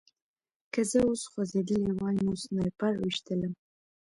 که زه اوس خوځېدلی وای نو سنایپر ویشتلم